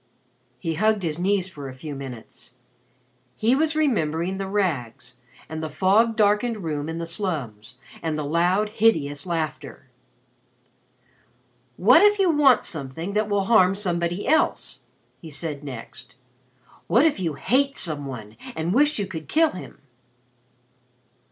He hugged his knees for a few minutes. He was remembering the rags, and the fog darkened room in the slums, and the loud, hideous laughter. "What if you want something that will harm somebody else?" he said next. "What if you hate some one and wish you could kill him?"